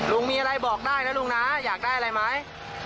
ลุงมีอะไรบอกได้นะลุงนะอยากได้อะไรไหม